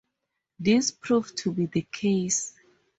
This proved to be the case.